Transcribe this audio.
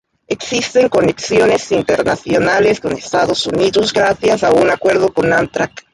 Existen conexiones internacionales con Estados Unidos gracias a un acuerdo con Amtrak.